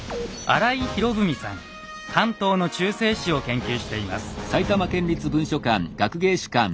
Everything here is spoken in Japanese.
関東の中世史を研究しています。